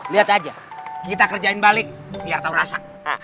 lihat aja kita kerjain balik biar tahu rasa